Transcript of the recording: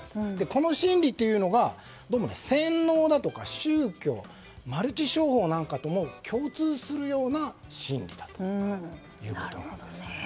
この心理というのがどうも、洗脳だとか宗教マルチ商法なんかとも共通するような心理だということなんですね。